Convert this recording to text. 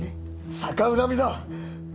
逆恨みだ！